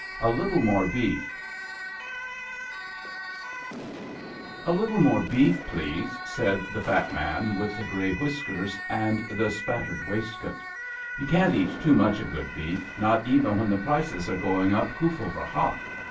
A LITTLE MORE BEEF *'\ LITTLE more beef, please,'' said the fat '^^^ man with the grey whiskers and the spat tered waistcoat. You can't eat too much o' good beef — ^not even when the prices are going up hoof over hock."